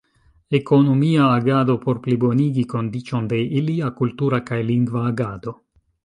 Ekonomia agado por plibonigi kondiĉon de ilia kultura kaj lingva agado.